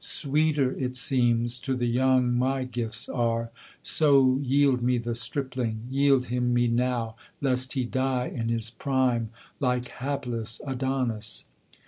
Sweeter, it seems, to the young my gifts are; so yield me the stripling; Yield him me now, lest he die in his prime, like hapless Adonis.'